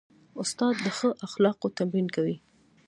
استاد د ښو اخلاقو تمرین کوي.